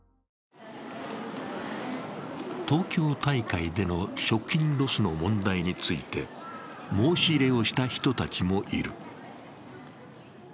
東京大会での食品ロスの問題について申し入れをした人たちもいる。